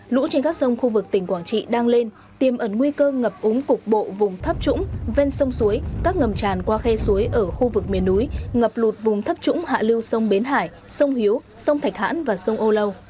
lũ trên các sông khu vực tỉnh quảng trị đang lên tiêm ẩn nguy cơ ngập úng cục bộ vùng thấp trũng ven sông suối các ngầm tràn qua khe suối ở khu vực miền núi ngập lụt vùng thấp trũng hạ lưu sông bến hải sông hiếu sông thạch hãn và sông âu lâu